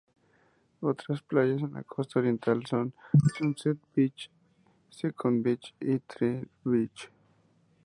Otras playas en la costa oriental son "Sunset Beach", "Second Beach" y "Third Beach".